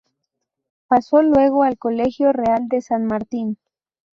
Pasó luego al Colegio Real de San Martín.